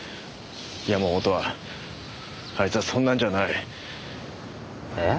山本はあいつはそんなんじゃない。えっ？